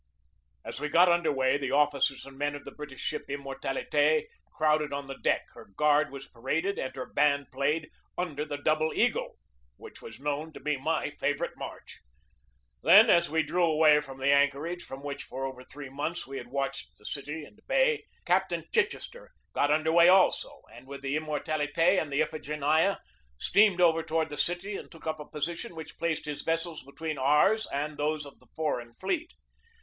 As we got under way the officers and men of the British ship Immortalite crowded on the deck, her guard was paraded, and her band played "Under the Double Eagle," which was known to be my favorite march. Then, as we drew away from the anchor age from which for over three months we had watched the city and bay, Captain Chichester got under way also and with the Immortalite and the Iphigenia steamed over toward the city and took up a position which placed his vessels between ours and those of the foreign fleet.